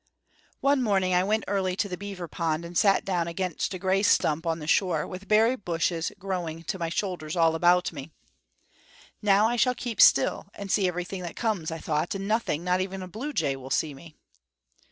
One morning I went early to the beaver pond and sat down against a gray stump on the shore, with berry bushes growing to my shoulders all about me. "Now I shall keep still and see everything that comes," I thought, "and nothing, not even a blue jay, will see me."